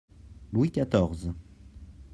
Louis XIV.